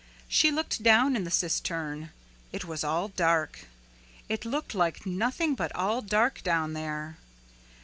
She looked down in the cistern. It was all dark. It looked like nothing but all dark down there.